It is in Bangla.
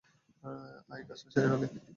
আয় কাজটা সেরে ফেলি এখন।